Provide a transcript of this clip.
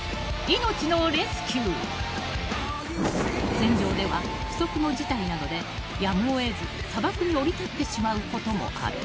［戦場では不測の事態などでやむを得ず砂漠に降り立ってしまうこともある］